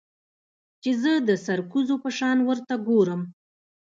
چې زه د سرکوزو په شان ورته گورم.